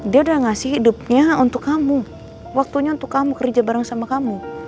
dia udah ngasih hidupnya untuk kamu waktunya untuk kamu kerja bareng sama kamu